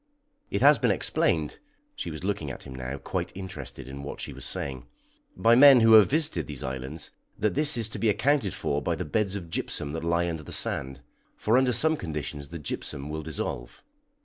It has been explained" she was looking at him now, quite interested in what she was saying "by men who have visited these islands, that this is to be accounted for by the beds of gypsum that lie under the sand, for under some conditions the gypsum will dissolve."